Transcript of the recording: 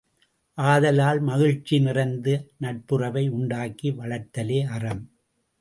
ஆதலால், மகிழ்ச்சி நிறைந்த நட்புறவை உண்டாக்கி வளர்த்தலே அறம்.